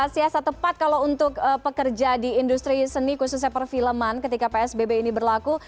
siasat tepat kalau untuk pekerja di industri seni khususnya perfilman ketika psbb ini berlaku